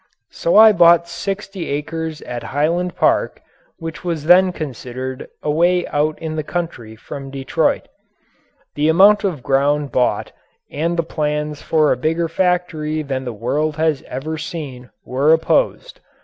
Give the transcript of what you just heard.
So I bought sixty acres at Highland Park, which was then considered away out in the country from Detroit. The amount of ground bought and the plans for a bigger factory than the world has ever seen were opposed.